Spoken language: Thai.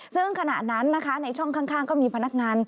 ซึ่งขณะนั้นนะคะในช่องข้างก็มีพนักงาน